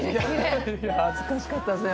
恥ずかしかったっすね